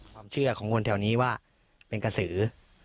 ความเชื่อของคนแถวนี้ว่าเป็นกระสือ